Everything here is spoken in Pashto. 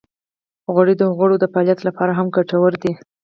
غوړې د غړو د فعالیت لپاره هم ګټورې دي.